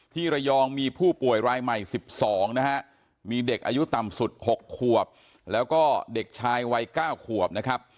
ที่ระยองมีผู้ป่วยรายใหม่๑๒นะฮะมีเด็กอายุต่ำสุด๖ขวบแล้วก็เด็กชายวัย๙ขวบนะครับ